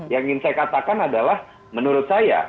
yang ingin saya katakan adalah menurut saya